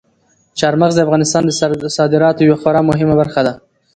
چار مغز د افغانستان د صادراتو یوه خورا مهمه برخه ده.